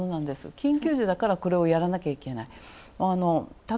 緊急時だからこれをやらなきゃいけない。